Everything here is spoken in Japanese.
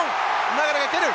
流が蹴る！